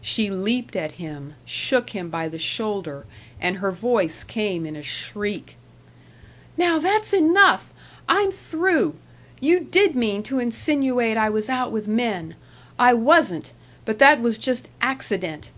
She leaped at him, shook him by the shoulder, and her voice came in a shriek: "Now that's enough. I'm through. You did mean to insinuate I was out with men. I wasn't but that was just accident.